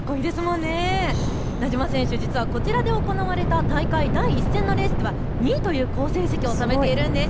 名島選手、実はこちらで行われた大会、第１戦のレースでは２位という好成績を収めているんです。